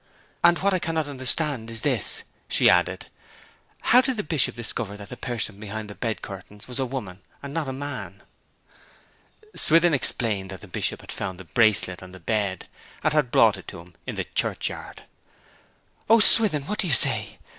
'And what I cannot understand is this,' she added; 'how did the Bishop discover that the person behind the bed curtains was a woman and not a man?' Swithin explained that the Bishop had found the bracelet on the bed, and had brought it to him in the churchyard. 'O Swithin, what do you say?